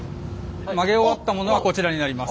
曲げ終わったものがこちらになります。